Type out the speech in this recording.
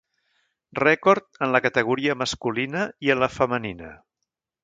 Rècord en la categoria masculina i en la femenina.